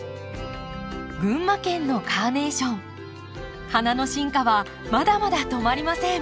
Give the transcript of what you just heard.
群馬県のカーネーション花の進化はまだまだ止まりません。